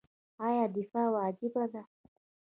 آیا دفاع واجب ده؟